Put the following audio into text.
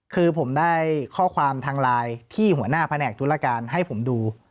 คือผมได้ข้อความทางไลน์ที่หัวหน้าแผนกธุรการให้ผมดู